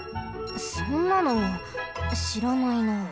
そんなのしらないなあ。